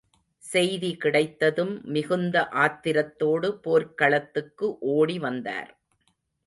செய்தி கிடைத்ததும் மிகுந்த ஆத்திரத்தோடு, போர்க்களத்துக்கு ஓடி வந்தார்.